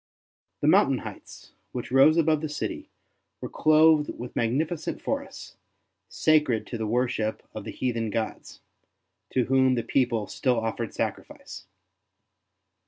The mountain heights, which rose above the city, were clothed with magnificent forests, sacred to the worship of the heathen gods, to whom the people still offered sacrifice.